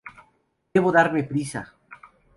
Debo darme prisa".